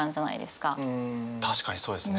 確かにそうですね。